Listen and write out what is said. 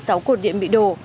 ba mươi sáu cột điện bị đổ